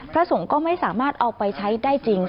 พระสงฆ์ก็ไม่สามารถเอาไปใช้ได้จริง